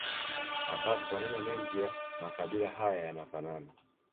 Ambapo maneno mengi ya makabila haya yanafanana